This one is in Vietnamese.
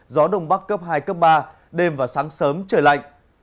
gió đông bắc cấp hai cấp ba đêm và sáng sớm trời lạnh